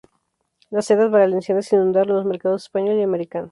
Las sedas valencianas inundaron los mercados español y americano.